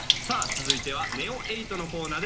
続いてはＮＥＯ８のコーナーです